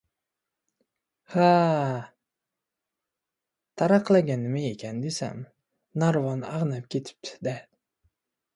— Ha-a, taraqlagan nima ekan desam, narvon ag‘nab ketibdi-da.